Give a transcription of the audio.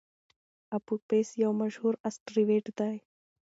اپوفیس یو مشهور اسټروېډ دی.